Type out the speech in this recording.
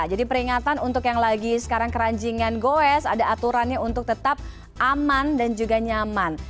peringatan untuk yang lagi sekarang keranjingan goes ada aturannya untuk tetap aman dan juga nyaman